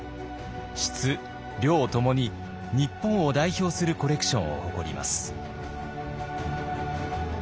質量ともに日本を代表するコレクションを誇ります。